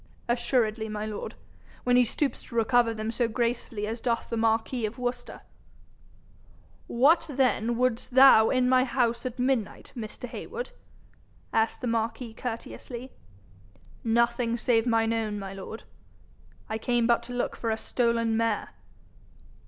'Assuredly, my lord, when he stoops to recover them so gracefully as doth the marquis of Worcester.' 'What, then, would'st thou in my house at midnight, Mr. Heywood?' asked the marquis courteously. 'Nothing save mine own, my lord. I came but to look for a stolen mare.'